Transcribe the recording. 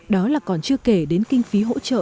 đó là còn chưa kể đến kinh phí hỗ trợ